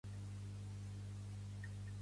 Pertany al moviment independentista la Soraya?